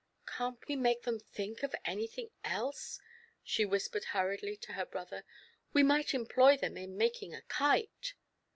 "Can't we make them think of anything else?" she whispered hurriedly to her brother; " we might employ them in making a kite."